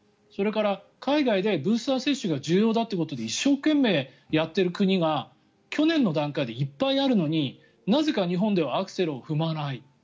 それから、海外でブースター接種が重要だということで一生懸命やっている国が去年の段階でいっぱいあるのになぜか日本ではアクセルを踏まない。